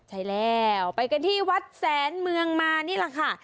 ใช่แล้วไปกันที่วัดแสนเมืองมานี่แหละค่ะ